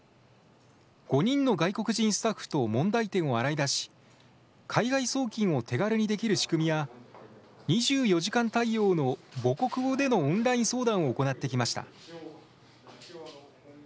５人の外国人スタッフと問題点を洗い出し、海外送金を手軽にできる仕組みや、２４時間対応の母国語でのオンライン相談を行ってきました。